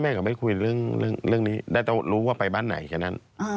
ก็ไม่คุยเรื่องนี้ได้แต่รู้ว่าไปบ้านไหนแค่นั้น